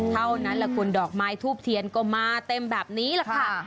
เท่านั้นแหละคุณดอกไม้ทูบเทียนก็มาเต็มแบบนี้แหละค่ะ